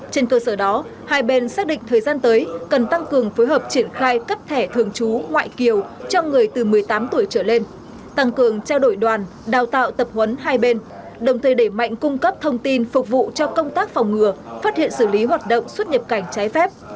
trên cơ sở đó hai bên xác định thời gian tới cần tăng cường phối hợp triển khai cấp thẻ thường trú ngoại kiều cho người từ một mươi tám tuổi trở lên tăng cường trao đổi đoàn đào tạo tập huấn hai bên đồng thời để mạnh cung cấp thông tin phục vụ cho công tác phòng ngừa phát hiện xử lý hoạt động xuất nhập cảnh trái phép